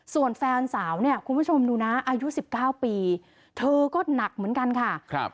ส่วนแฟนสาวเนี่ยคุณผู้ชมดูนะอายุ๑๙ปีเธอก็หนักเหมือนกันค่ะ